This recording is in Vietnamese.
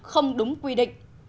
không đúng quy định